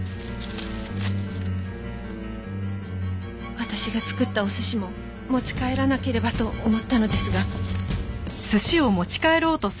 私が作ったお寿司も持ち帰らなければと思ったのですが。